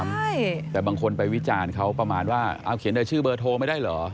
คือแค่รูปเรามาติดแค่นั้นเองแต่ว่าหมาตัวนี้อาจจะไม่โดนทำร้ายก็ได้